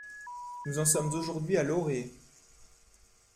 Nous en sommes aujourd’hui à l’orée.